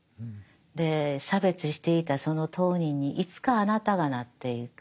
で差別していたその当人にいつかあなたがなっていく。